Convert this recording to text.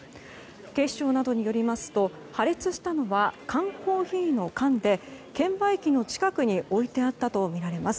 警視庁などによりますと破裂したのは缶コーヒーの缶で券売機の近くに置いてあったとみられています。